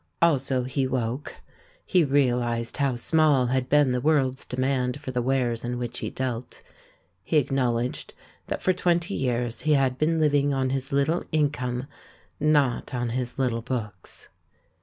Also he woke ; he realised how small had been the world's demand for the wares in which he dealt — he acknowledged that for twenty years he had been living on his little in come, not on his little books.